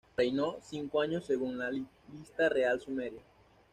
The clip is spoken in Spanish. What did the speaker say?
Reinó cinco años según la "Lista Real Sumeria".